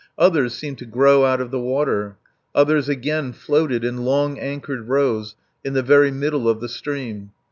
Others seemed to grow out of the water; others again floated in long anchored rows in the very middle of the stream.